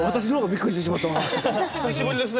久しぶりですね